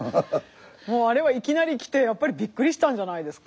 もうあれはいきなり来てやっぱりビックリしたんじゃないですか？